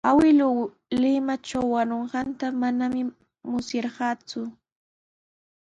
Awkilluu Limatraw wañunqan manami musyarqaaku.